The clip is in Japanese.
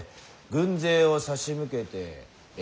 軍勢を差し向けてええ。